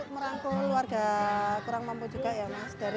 merangkul warga kurang mampu juga ya mas